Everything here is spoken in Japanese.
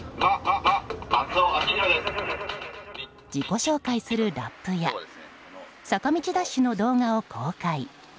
自己紹介するラップや坂道ダッシュの動画を公開。